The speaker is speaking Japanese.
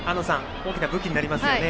大きな武器になりますね。